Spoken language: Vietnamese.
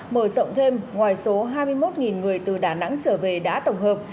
mở rộng thêm ngoài số hai mươi một người từ đà nẵng trở về đã tổng hợp